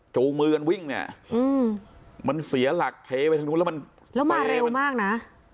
จูงมือกันวิ่งเนี่ยมันเสียหลักเทไปทางนู้นแล้วมันแล้วมาเร็วมากนะ